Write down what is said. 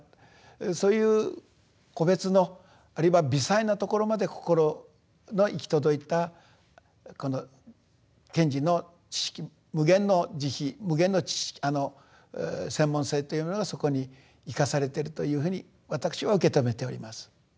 そういう個別のあるいは微細なところまで心の行き届いたこの賢治の知識無限の慈悲無限の専門性というものがそこに生かされてるというふうに私は受け止めております。